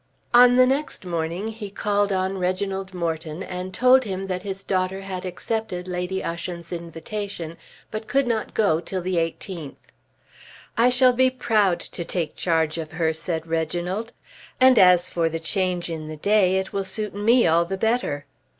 On the next morning he called on Reginald Morton and told him that his daughter had accepted Lady Ushant's invitation, but could not go till the 18th. "I shall be proud to take charge of her," said Reginald. "And as for the change in the day it will suit me all the better."